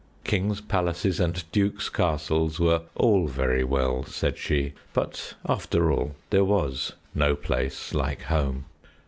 Kings' palaces and dukes' castles were all very well, said she, but after all, there was no place like home.